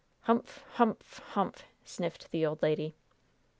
"Humph! humph! humph!" sniffed the old lady.